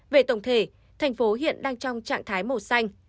về tổng thể thành phố hiện đang trong trạng thái màu xanh